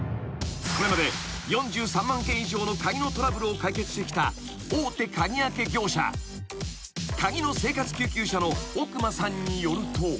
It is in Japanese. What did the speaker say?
［これまで４３万件以上の鍵のトラブルを解決してきた大手鍵開け業者カギの生活救急車の奥間さんによると］